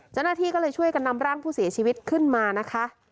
เจ้าหน้าที่ก็เลยช่วยกันนำร่างผู้เสียชีวิตขึ้นมานะคะ